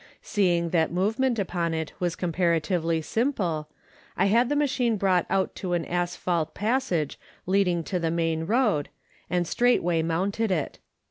Seeing that movement upon it was comparatively simple, I had the ma chine brought out to an asphalt passage leading to the main road, and straightway mounted it.